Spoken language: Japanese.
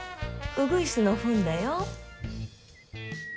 ウグイスのフンだよ。